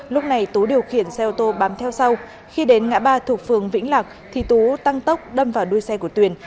lúc này tú điều khiển xe ô tô bám theo sau khi đến ngã ba thuộc phường vĩnh lạc thì tú tăng tốc đâm vào đuôi xe của tuyền